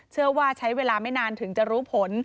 เชื่อว่าใช้เวลาไม่นานถึงจะรู้ผล